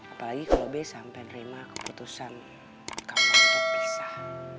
apalagi kalo b sampai nerima keputusan kamu untuk pisah